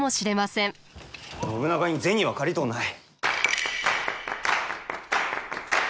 信長に銭は借りとうない。